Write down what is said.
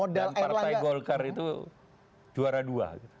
dan partai golkar itu juara dua